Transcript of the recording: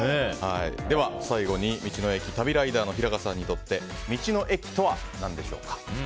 では最後に道の駅旅ライダーの平賀さんにとって、道の駅とは何でしょうか？